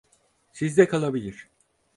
Sizde kalabilir.